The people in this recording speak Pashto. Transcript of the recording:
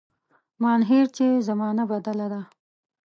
مانهیر چي زمانه بدله ده